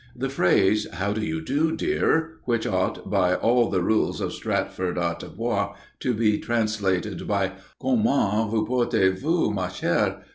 The phrase, "How do you do, dear?" which ought, by all the rules of Stratford atte Bowe, to be translated by _Comment vous portez vous, ma chère?